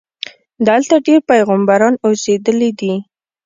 دلته ډېر پیغمبران اوسېدلي دي.